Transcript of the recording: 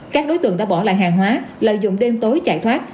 các đối tượng đã bỏ lại hàng hóa lợi dụng đêm tối chạy thoát